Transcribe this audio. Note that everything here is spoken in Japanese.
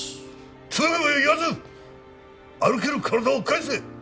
つべこべ言わず歩ける体を返せ！